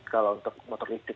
kalau untuk motor listrik